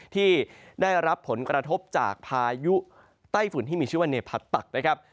ที่ได้รับผลกระทบจากพายุไต้ฝุ่นที่มีชื่อว่าเนพัดตักนะครับ